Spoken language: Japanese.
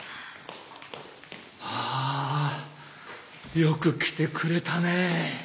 あぁ！よく来てくれたね！